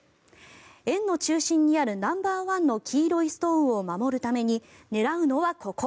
円の中心にあるナンバーワンの黄色いストーンを守るために狙うのはここ。